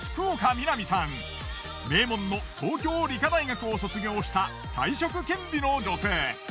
名門の東京理科大学を卒業した才色兼備の女性。